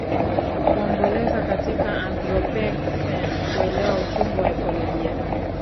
Kuomboleza Katika Anthropocene Kuelewa Uchungu wa Ekolojia